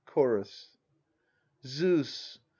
Chorus. Zeus !